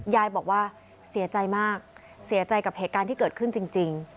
ยายบอกว่าเสียใจมากเสียใจกับเหตุการณ์ที่เกิดขึ้นจริง